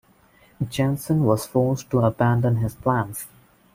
Jensen was forced to abandon his plans.